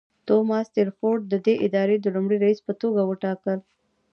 توماس ټیلفورډ ددې ادارې د لومړني رییس په توګه وټاکل.